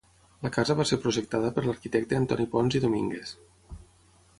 La casa va ser projectada per l'arquitecte Antoni Pons i Domínguez.